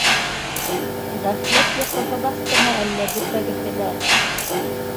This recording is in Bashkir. - Ғәфләт йоҡоһо баҫтымы әллә бөтәгеҙҙе лә?